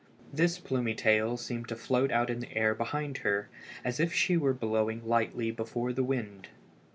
This plumy tail seemed to float out in the air behind her, as if she were blowing lightly before the wind.